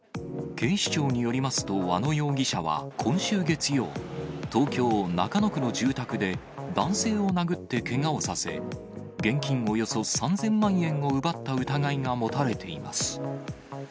警視庁によりますと、和野容疑者は今週月曜、東京・中野区の住宅で、男性を殴ってけがをさせ、現金およそ３０００万円を奪った疑いが持たれています。